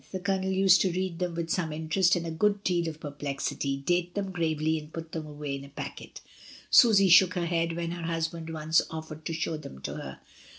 The Colonel used to read them with some interest and a good deal of perplexity, date them gravely and put them away in a packet Susy shook her head when her husband once offered to show them to her.